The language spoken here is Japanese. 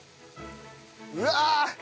うわ！